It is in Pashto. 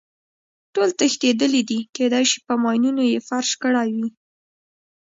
ټول تښتېدلي دي، کېدای شي په ماینونو یې فرش کړی وي.